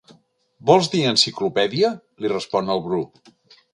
Vols dir enciclopèdies? —li respon el Bru.